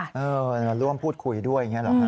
มาร่วมพูดคุยด้วยอย่างนี้หรอครับ